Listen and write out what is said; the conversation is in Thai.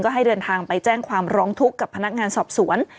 ให้เดินทางไปแจ้งความร้องทุกข์กับพนักงานสอบสวน